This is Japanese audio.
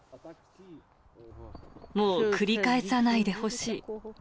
もう繰り返さないでほしい。